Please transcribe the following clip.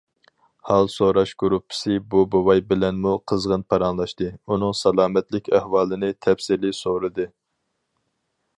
ھال سوراش گۇرۇپپىسى بۇ بوۋاي بىلەنمۇ قىزغىن پاراڭلاشتى، ئۇنىڭ سالامەتلىك ئەھۋالىنى تەپسىلىي سورىدى.